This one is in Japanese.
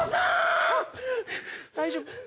大丈夫？